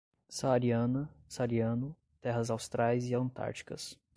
Saariana, saariano, terras austrais e antárticas